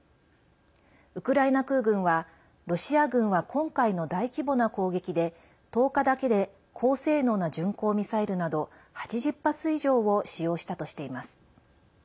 ウクライナ空軍はロシア軍は今回の大規模な攻撃で１０日だけで高性能な巡航ミサイルなど８０発以上を使用したとしています。